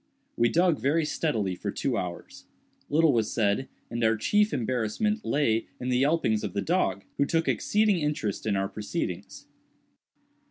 We dug very steadily for two hours. Little was said; and our chief embarrassment lay in the yelpings of the dog, who took exceeding interest in our proceedings.